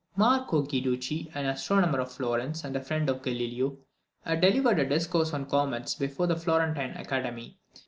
Marco Guiducci, an astronomer of Florence, and a friend of Galileo, had delivered a discourse on comets before the Florentine Academy.